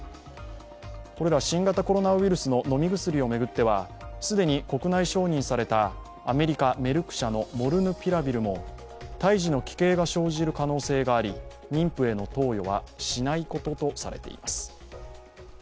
これら新型コロナウイルスの飲み薬を巡っては既に国内承認されたアメリカメルク社のモルヌピラビルも胎児の奇形が生じる可能性があり妊婦への投与はしないこととされています。